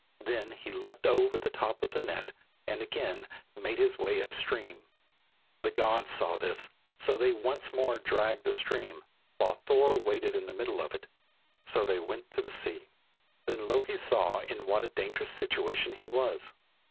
Then he leapt over the top of the net and again made his way up the stream. The gods saw this, so they once more dragged the stream, while Thor waded in the middle of it. So they went to the sea. Then Loki saw in what a dangerous situation he was.